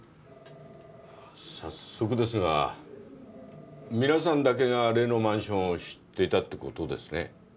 早速ですが皆さんだけが例のマンションを知っていたってことですね？